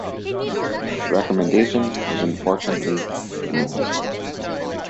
The recommendation was unfortunately ignored.